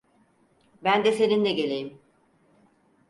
Ben de seninle geleyim.